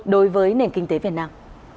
đối với nền kinh tế việt nam